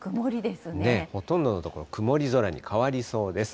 ほとんどの所、曇り空に変わりそうです。